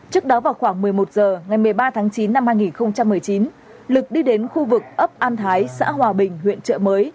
trước đó vào khoảng một mươi một h ngày một mươi ba tháng chín năm hai nghìn một mươi chín lực đi đến khu vực ấp an thái xã hòa bình huyện trợ mới